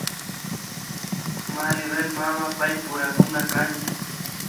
Maribel mana paypurakuna kanchu